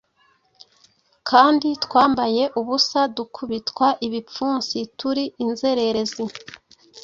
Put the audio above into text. kandi twambaye ubusa, dukubitwa ibipfunsi, turi inzererezi,